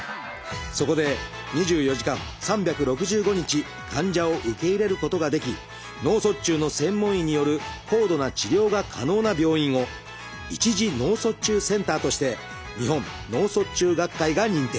そこで２４時間３６５日患者を受け入れることができ脳卒中の専門医による高度な治療が可能な病院を一次脳卒中センターとして日本脳卒中学会が認定。